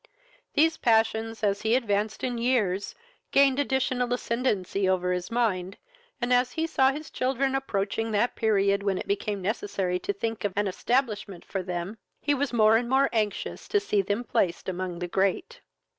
These passions, as he advanced in years, gained additional ascendancy over his mind, and as he saw his children approaching that period when it became necessary to think of an establishment for them, he was more and more anxious to see them placed among the great.